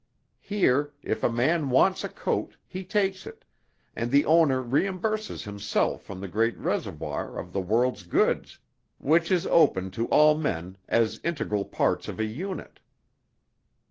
Here, if a man wants a coat, he takes it, and the owner reimburses himself from the great reservoir of the world's goods, which is open to all men as integral parts of a unit."